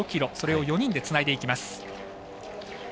それを４人でつないでいきます。